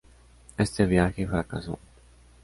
Este viaje fracasó.